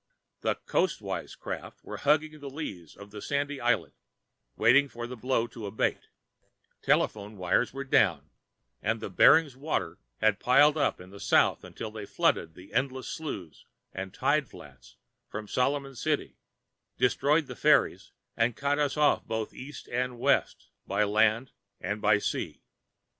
The coastwise craft were hugging the lee of the sandy islet, waiting for the blow to abate; telephone wires were down, and Bering's waters had piled in from the south until they flooded the endless sloughs and tide flats behind Solomon City, destroyed the ferries, and cut us off both east and west, by land and by sea.